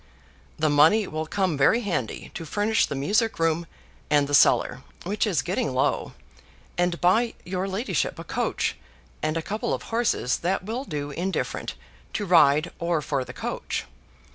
"The money will come very handy to furnish the music room and the cellar, which is getting low, and buy your ladyship a coach and a couple of horses that will do indifferent to ride or for the coach.